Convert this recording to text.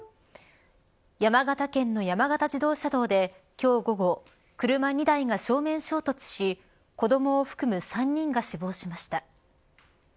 山形県の山形自動車道で今日午後、車２台が正面衝突し子どもを含む３人が死亡しました。